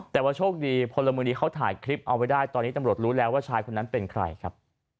แต่ว่าโชคดีพลเมืองดีเขาถ่ายคลิปเอาไว้ได้ตอนนี้ตำรวจรู้แล้วว่าชายคนนั้นเป็นใครครับ